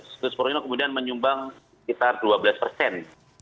situs porno kemudian menyumbang sekitar dua belas persen